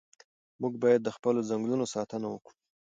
موږ باید د خپلو ځنګلونو ساتنه وکړو.